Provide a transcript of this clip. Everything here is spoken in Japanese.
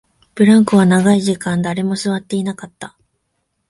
ブランコは長い時間、誰も座っていなかった